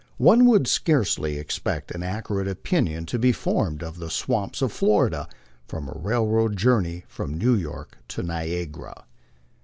One would scarcely expect an accurate opinion to be formed of the swamps of Florida from a railroad journey from New York to Niagara.